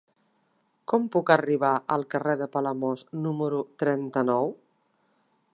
Com puc arribar al carrer de Palamós número trenta-nou?